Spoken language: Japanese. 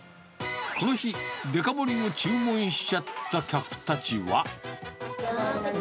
この日、デカ盛りを注文しちゃった客たちは。